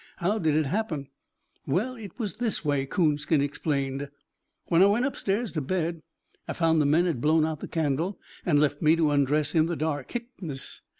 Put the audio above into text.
"How did it happen?" "Well, it was this way," Coonskin explained. "When I went upstairs to bed, I found the men had blown out the candle and left me to undress in the dark hic ness.